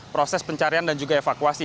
proses pencarian dan juga evakuasi